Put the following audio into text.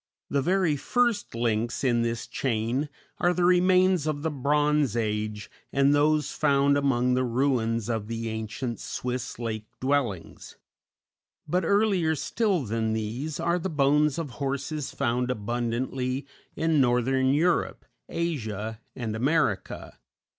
The very first links in this chain are the remains of the bronze age and those found among the ruins of the ancient Swiss lake dwellings; but earlier still than these are the bones of horses found abundantly in northern Europe, Asia, and America.